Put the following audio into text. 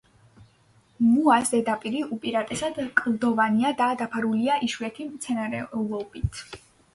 მოას ზედაპირი უპირატესად კლდოვანია და დაფარულია იშვიათი მცენარეულობით.